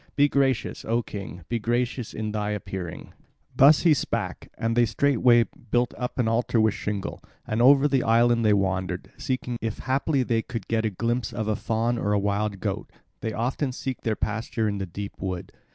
Be gracious, O king, be gracious in thy appearing." Thus he spake, and they straightway built up an altar with shingle; and over the island they wandered, seeking if haply they could get a glimpse of a fawn or a wild goat, that often seek their pasture in the deep wood.